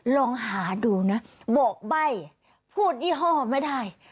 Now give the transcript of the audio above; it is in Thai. ลองหาดูนะบอกใบ้พูดยี่ห้อไม่ได้